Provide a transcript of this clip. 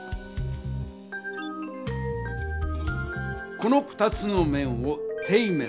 この２つの面を「底面」。